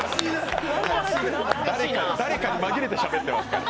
誰かが誰かに紛れてしゃべってますから。